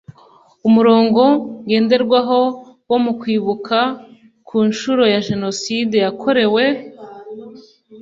Umurongo ngenderwaho wo Kwibuka ku nshuro ya Jenoside yakorewe